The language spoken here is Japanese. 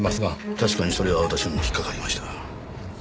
確かにそれは私も引っかかりました。